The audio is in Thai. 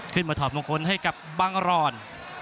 ขึ้นมาถอดมงคลให้กับบังรอด